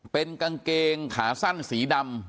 เป็นกางเกงขาสั้นสีดำ